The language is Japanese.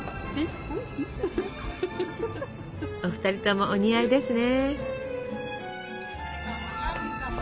お２人ともお似合いですね。